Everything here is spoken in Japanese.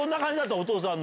お父さん！